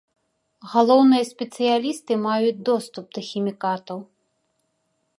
Галоўныя спецыялісты маюць доступ да хімікатаў.